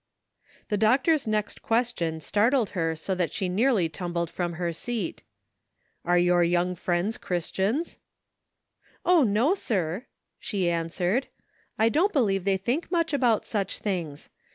The doctor's next question startled her so that she nearly tumbled from her seat. *' Are your young friends Christians?" " O, no, sir!" she answered; "I don't be lieve they think much about such things.